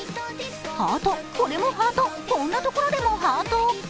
ハート、これもハート、こんなところでもハート。